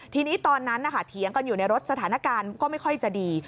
ทีนี้ตอนนั้นเถียงกันอยู่ในรถสถานการณ์ก็ไม่ค่อยจะดี